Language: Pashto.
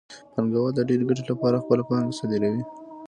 پانګوال د ډېرې ګټې لپاره خپله پانګه صادروي